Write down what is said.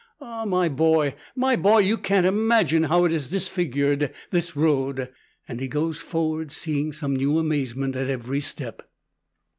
Ah, my boy, my boy, you can't imagine how it is disfigured, this road!" And he goes forward, seeing some new amazement at every step.